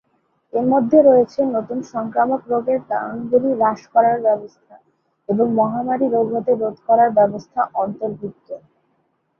এর মধ্যে রয়েছে নতুন সংক্রামক রোগের কারণগুলি হ্রাস করার ব্যবস্থা এবং মহামারী রোগ হতে রোধ করার ব্যবস্থা অন্তর্ভুক্ত।